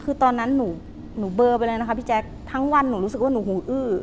คือตอนนั้นหนูเบอร์ไปเลยนะคะพี่แจ๊คทั้งวันหนูรู้สึกว่าหนูห่วงอื้อ